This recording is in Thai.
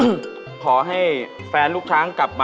ไม่ใช่ครับ